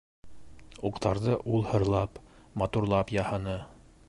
Уҡтарҙы ул һырлап, матурлап яһаны.